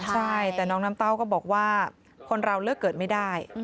ใช่แต่น้องน้ำเต้าก็บอกว่าคนเราเลือกเกิดไม่ได้